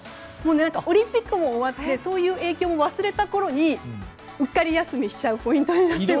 オリンピックも終わってそういう影響も忘れたころにうっかり休みしちゃうポイントになってる。